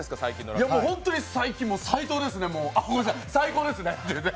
本当に最近、斉藤ですねごめんなさい、最高ですね。